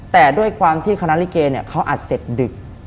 แต่ด้วยความที่คณะลิเกเขาอัดเสร็จดึก